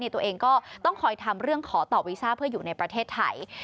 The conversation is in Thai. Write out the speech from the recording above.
ตัวเองก็ต้องคอยทำเรื่องขอต่อวีซ่าเพื่ออยู่ในประเทศไทย